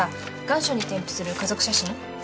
願書に添付する家族写真？